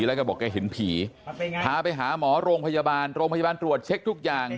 แล้วก็บอกแกเห็นผีพาไปหาหมอโรงพยาบาลโรงพยาบาลตรวจเช็คทุกอย่าง